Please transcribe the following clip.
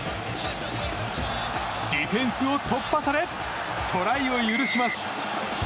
ディフェンスを突破されトライを許します。